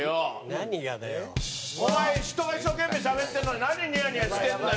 出川：お前人が一生懸命しゃべってるのに何、ニヤニヤしてるんだよ。